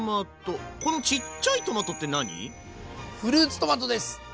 このフルーツトマトです。